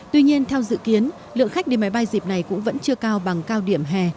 tuy nhiên theo dự kiến lượng khách đi máy bay dịp này cũng vẫn chưa cao bằng cao điểm hè